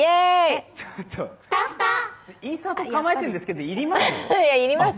インサート構えているんですけど、いります？